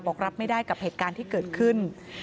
บอกรับไม่ได้กับเหตุการณ์ที่เกิดขึ้น